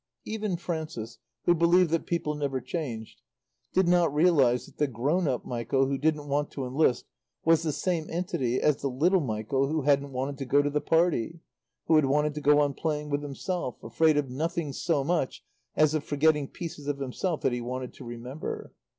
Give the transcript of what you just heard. Even Frances, who believed that people never changed, did not realize that the grown up Michael who didn't want to enlist was the same entity as the little Michael who hadn't wanted to go to the party, who had wanted to go on playing with himself, afraid of nothing so much as of forgetting "pieces of himself that he wanted to remember."